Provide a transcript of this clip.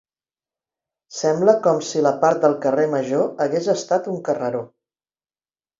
Sembla com si la part del carrer Major hagués estat un carreró.